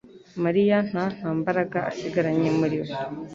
mariya nta ntambara asigaranye muri we